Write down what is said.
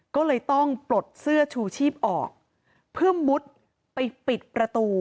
ก็เลยต้องปลดเสื้อชูชีพออกเพื่อมุดไปปิดประตู